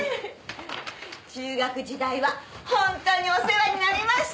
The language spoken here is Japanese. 中学時代はほんとにお世話になりました。